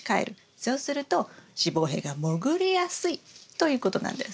そうすると子房柄がもぐりやすいということなんです。